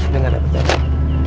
tapi gak dapat jalan